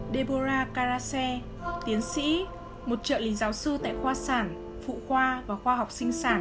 deborah carace tiến sĩ một trợ lý giáo sư tại khoa sản phụ khoa và khoa học sinh sản